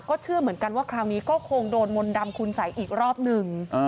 เชื่อเหมือนกันว่าคราวนี้ก็คงโดนมนต์ดำคุณสัยอีกรอบหนึ่ง